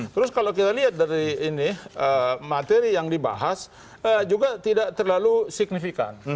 terus kalau kita lihat dari ini materi yang dibahas juga tidak terlalu signifikan